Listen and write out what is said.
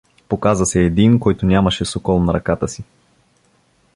Показа се един, който нямаше сокол на ръката си.